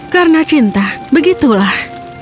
karena cinta begitulah